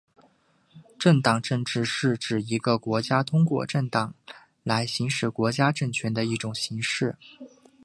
政党政治是指一个国家通过政党来行使国家政权的一种形式。